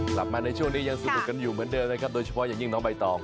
กลับมาในช่วงนี้ยังสนุกกันอยู่เหมือนเดิมนะครับโดยเฉพาะอย่างยิ่งน้องใบตอง